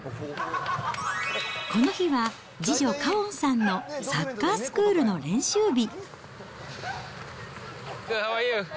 この日は次女、かおんさんのサッカースクールの練習日。